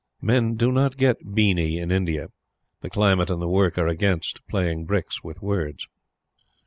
Men do not get "beany" in India. The climate and the work are against playing bricks with words.